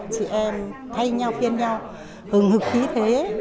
chị em thay nhau phiên nhau hừng hực khí thế